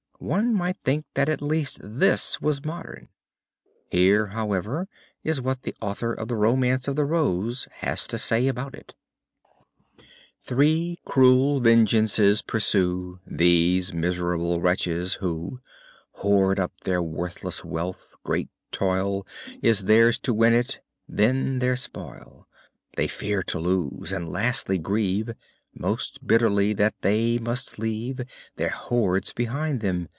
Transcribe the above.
One might think that at least this was modern. Here, however, is what the author of the Romance of the Rose has to say about it: Three cruel vengeances pursue These miserable wretches who Hoard up their worthless wealth: great toil Is theirs to win it; then their spoil They fear to lose; and lastly, grieve Most bitterly that they must leave Their hoards behind them.